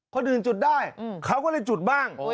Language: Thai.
คนอื่นจุดได้เขาก็เลยจุดบ้าง